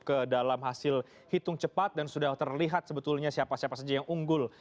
ke dalam hasil hitung cepat dan sudah terlihat sebetulnya siapa siapa saja yang unggul